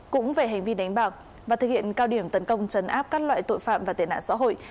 cũng về hành vi đánh bạc và thực hiện cao điểm tấn công chấn áp các loại tội phạm và tệ nạn xã hội